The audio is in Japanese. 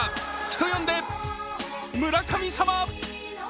人呼んで、村神様！